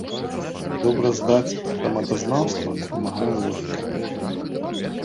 Добра здаць грамадазнаўства дапамагае логіка.